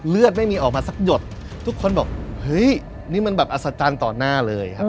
เลือดไม่มีออกมาสักหยดทุกคนบอกเฮ้ยนี่มันแบบอัศจรรย์ต่อหน้าเลยครับ